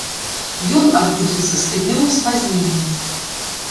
Ён адбудзецца з тыднёвым спазненнем.